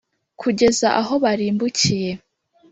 kugeza aho barimbukiye.